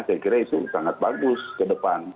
saya kira itu sangat bagus ke depan